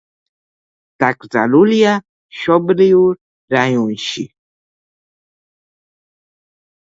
დაკრძალულია მშობლიურ რაიონში.